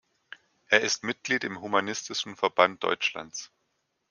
Er ist Mitglied im Humanistischen Verband Deutschlands.